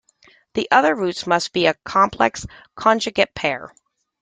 The other roots must be a complex conjugate pair.